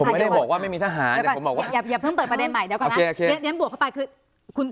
ไม่ได้บอกว่าไม่มีทหารแต่ผมบอกว่าอย่าเพิ่งเปิดประเด็นใหม่เดี๋ยวก่อนนะ